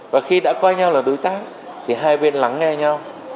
và khi đã coi nhau là đối tác thì hai bên lắng nghe